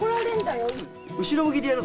後ろ向きでやるの？